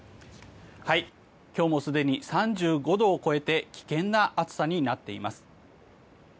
今日もすでに３５度を超えて危険な暑さになっています。